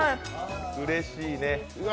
うれしいね。